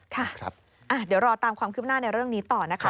ค่ะเดี๋ยวรอตามความคืบหน้าในเรื่องนี้ต่อนะคะ